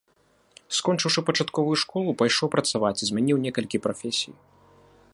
Скончыўшы пачатковую школу, пайшоў працаваць і змяніў некалькі прафесій.